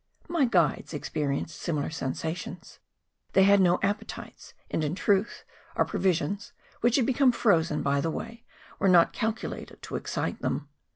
My guides experienced similar sensa¬ tions ; they had no appetites; and, in truth, our pro¬ visions, which had become frozen by the way, were not calculated to excite them.